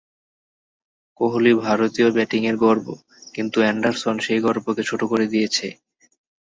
কোহলি ভারতীয় ব্যাটিংয়ের গর্ব কিন্তু অ্যান্ডারসন সেই গর্বকে ছোট করে দিয়েছে।